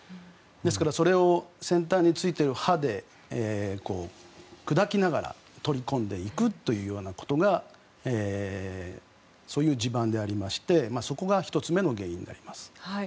ですからそれを先端についている刃で砕きながら取り込んでいくということがそういう地盤でありましてそこが１つ目の原因であります。